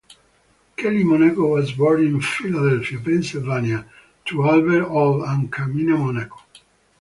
Kelly Monaco was born in Philadelphia, Pennsylvania to Albert "Al" and Carmina Monaco.